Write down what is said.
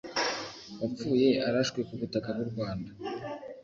wapfuye arashwe ku butaka bw’u Rwanda